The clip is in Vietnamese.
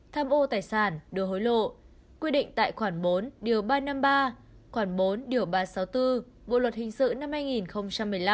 tham ô tài sản đưa hối lộ quy định tại khoản bốn điều ba trăm năm mươi ba khoảng bốn điều ba trăm sáu mươi bốn bộ luật hình sự năm hai nghìn một mươi năm